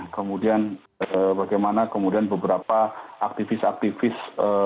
kemudian bagaimana kemudian beberapa aktivis aktivis